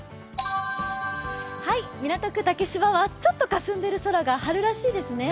港区竹芝は、ちょっとかんすでる空が春らしいですね。